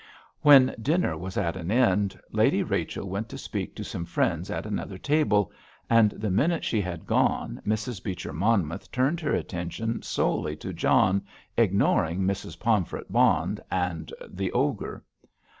When dinner was at an end Lady Rachel went to speak to some friends at another table, and the minute she had gone Mrs. Beecher Monmouth turned her attention solely to John, ignoring Mrs. Pomfret Bond and the "Ogre."